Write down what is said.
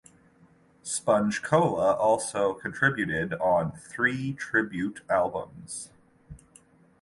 Sponge Cola also contributed on three tribute albums.